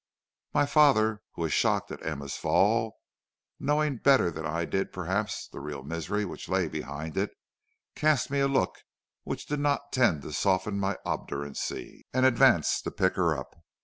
"My father, who was shocked at Emma's fall, knowing better than I did perhaps the real misery which lay behind it, cast me a look which did not tend to soften my obduracy, and advanced to pick her up.